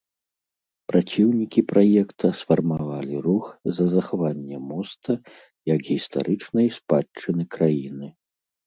Праціўнікі праекта сфармавалі рух за захаванне моста як гістарычнай спадчыны краіны.